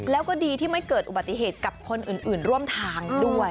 แล้วก็ดีที่ไม่เกิดอุบัติเหตุกับคนอื่นร่วมทางด้วย